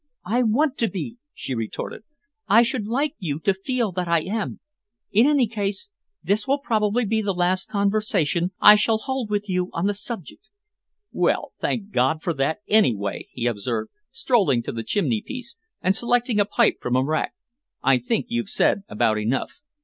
"I want to be," she retorted. "I should like you to feel that I am. In any case, this will probably be the last conversation I shall hold with you on the subject." "Well, thank God for that, anyway!" he observed, strolling to the chimneypiece and selecting a pipe from a rack. "I think you've said about enough."